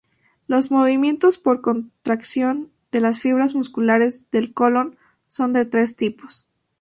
Los movimientos por contracción de las fibras musculares del colon son de tres tipos.